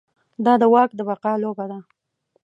دا د واک د بقا لوبه ده.